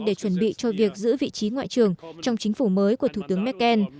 để chuẩn bị cho việc giữ vị trí ngoại trưởng trong chính phủ mới của thủ tướng merkel